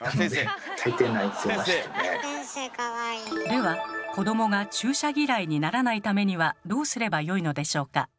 では子どもが注射嫌いにならないためにはどうすればよいのでしょうか？